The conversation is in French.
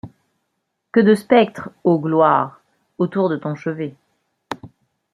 Que de spectres, ô gloire! autour de ton chevet !